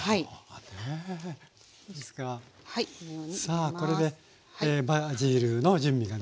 さあこれでバジルの準備ができました。